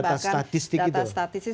bahkan data data statistik itu